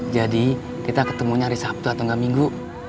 jadi kita ketemu nyari sabtu atau enggak minggu